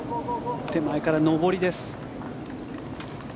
手前から上りです。